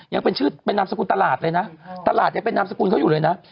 ยังเป็นชื่อเป็นนามสกุลตลาดเลยนะตลาดยังเป็นนามสกุลเขาอยู่เลยนะ